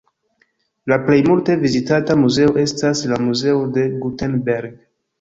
La plej multe vizitata muzeo estas la Muzeo de Gutenberg.